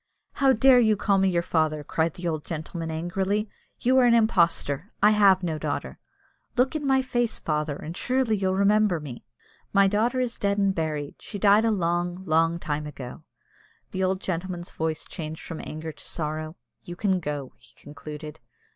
"How dare you call me your father?" cried the old gentleman, angrily. "You are an impostor. I have no daughter." "Look in my face, father, and surely you'll remember me." "My daughter is dead and buried. She died a long, long time ago." The old gentleman's voice changed from anger to sorrow. "You can go," he concluded.